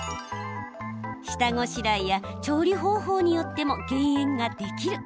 下ごしらえや調理方法によっても減塩ができる。